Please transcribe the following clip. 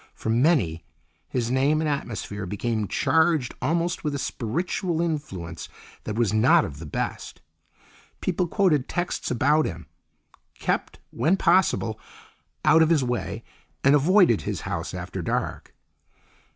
For many, his name and atmosphere became charged almost with a spiritual influence that was not of the best. People quoted texts about him; kept when possible out of his way, and avoided his house after dark.